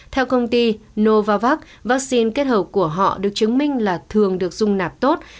theo công ty novavax vaccine kết hợp của họ được chứng minh là thường được dung nạp tốt